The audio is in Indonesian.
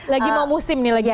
lagi mau musim nih